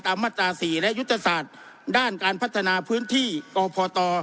มาตรา๔และยุทธศาสตร์ด้านการพัฒนาพื้นที่กพต